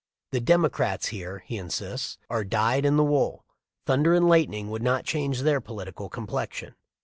"The Democrats here," he insists, "are dyed in the wool. Thunder and lightning would not change their political complexion.